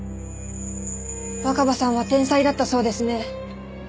若葉さんは天才だったそうですね。